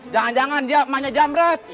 jangan jangan dia mainnya jamret